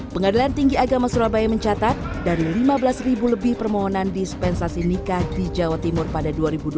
pengadilan tinggi agama surabaya mencatat dari lima belas ribu lebih permohonan dispensasi nikah di jawa timur pada dua ribu dua puluh